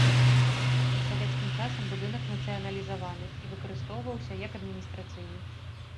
За савецкім часам будынак нацыяналізаваны і выкарыстоўваўся як адміністрацыйны.